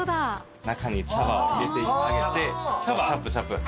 中に茶葉を入れてあげてチャプチャプ。